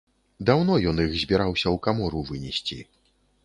Даўно ён іх збіраўся ў камору вынесці.